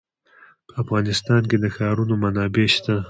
په افغانستان کې د ښارونه منابع شته.